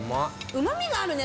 うまみがあるね